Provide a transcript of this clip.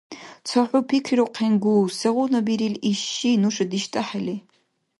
Ца хӀу пикрирухъенгу, сегъуна бирил иш ши нуша диштӀахӀели.